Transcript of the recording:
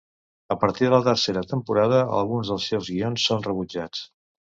A partir de la tercera temporada, alguns dels seus guions són rebutjats.